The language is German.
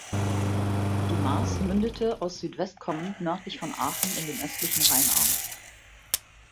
Die Maas mündete aus Südwest kommend nördlich von Aachen in den östlichen Rheinarm.